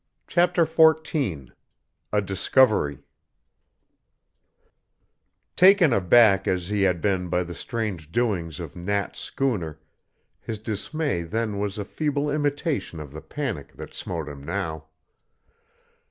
CHAPTER XIV A DISCOVERY Taken aback as he had been by the strange doings of Nat's schooner, his dismay then was a feeble imitation of the panic that smote him now.